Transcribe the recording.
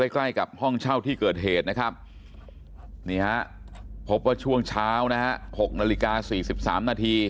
ใกล้กับห้องเช่าที่เกิดเหตุนะครับนี่ฮะพบว่าช่วงเช้านะฮะ๖นาฬิกา๔๓นาที